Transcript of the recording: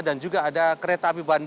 juga ada kereta api bandung